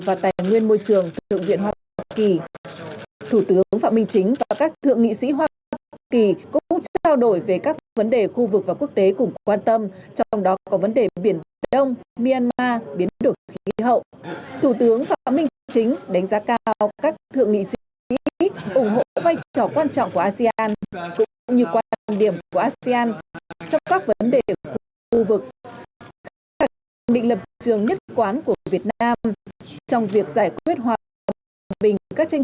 và chủ tịch thượng trực thượng viện và chủ tịch thượng trực thượng viện và chủ tịch thượng trực thượng viện